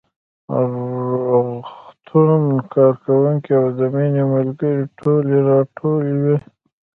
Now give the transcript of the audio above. روغتون کارکوونکي او د مينې ملګرې ټولې راټولې وې